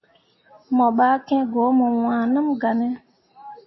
Mo ɓah kiŋ ko mo waaneml gah ne.